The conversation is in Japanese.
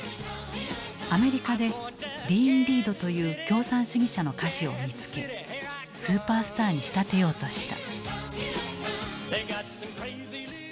アメリカでディーン・リードという共産主義者の歌手を見つけスーパースターに仕立てようとした。